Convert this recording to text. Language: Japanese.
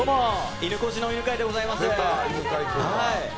いぬこじの犬飼でございます。